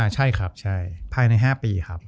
ใช่ครับใช่ภายใน๕ปีครับ